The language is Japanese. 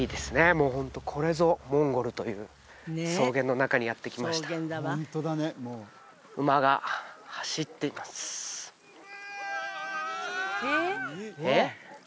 もうホントこれぞモンゴルという草原の中にやって来ましたえっ？